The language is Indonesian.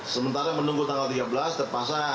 sementara menunggu tanggal tiga belas terpaksa